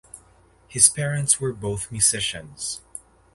His parents were both musicians.